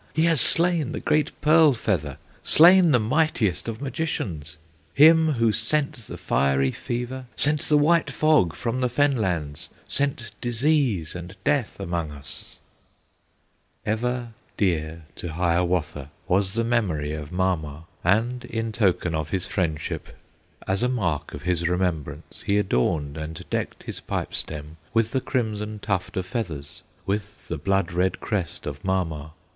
He has slain the great Pearl Feather, Slain the mightiest of Magicians, Him, who sent the fiery fever, Sent the white fog from the fen lands, Sent disease and death among us!" Ever dear to Hiawatha Was the memory of Mama! And in token of his friendship, As a mark of his remembrance, He adorned and decked his pipe stem With the crimson tuft of feathers, With the blood red crest of Mama.